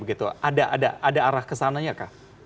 ada arah kesananya kah